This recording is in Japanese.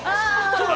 そうだ！